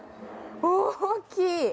大きい！